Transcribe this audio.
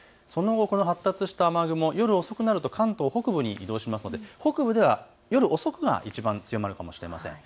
発達した雨雲、夜遅くなると関東北部に移動しますので北部では夜遅くがいちばん強くなるかもしれません。